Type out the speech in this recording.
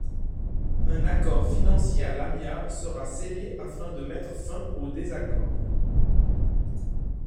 Un accord financier à l'amiable sera scellé afin de mettre fin au désaccord.